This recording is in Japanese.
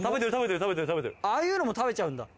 ああいうのも食べちゃうんだ。